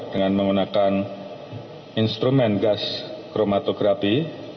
dengan menggunakan instrumen gas kromatografi